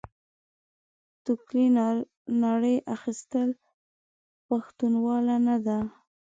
توکلې ناړې اخيستل؛ پښتنواله نه ده.